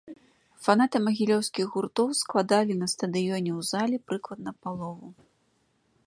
Фанаты магілёўскіх гуртоў складалі на стадыёне у зале прыкладна палову.